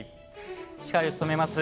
司会を務めます